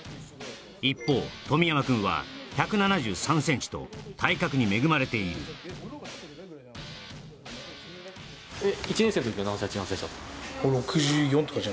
一方冨山くんは１７３ｃｍと体格に恵まれているあっ